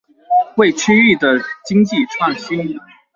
為區域的經濟創新